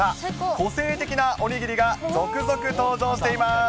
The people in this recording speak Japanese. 個性的なおにぎりが続々登場しています。